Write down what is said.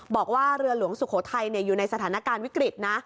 บอกว่าเรือหลวงสุโขทัยอยู่ในสถานการณ์วิกฤตนะ